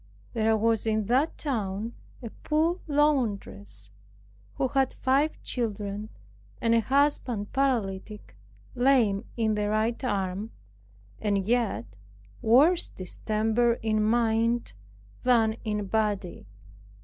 There was in that town a poor laundress who had five children, and a husband paralytic, lame in the right arm, and yet worse distempered in mind than in body.